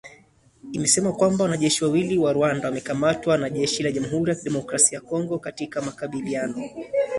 Imesema kwamba wanajeshi wawili wa Rwanda wamekamatwa na jeshi la Jamhuri ya kidemokrasia ya Kongo katika makabiliano.